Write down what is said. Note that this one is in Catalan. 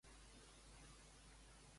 Quina d'elles és de Rafael?